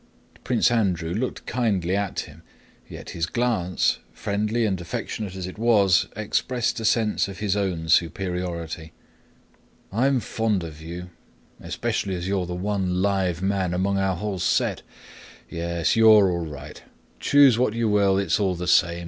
Prince Andrew looked kindly at him, yet his glance—friendly and affectionate as it was—expressed a sense of his own superiority. "I am fond of you, especially as you are the one live man among our whole set. Yes, you're all right! Choose what you will; it's all the same.